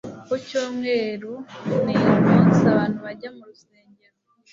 Ku cyumweru ni umunsi abantu bajya mu rusengero